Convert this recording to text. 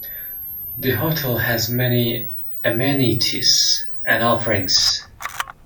The hotel has many amenities and offerings.